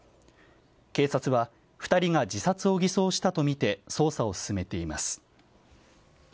警察は２人が自殺を偽装したとみて捜査を進めています。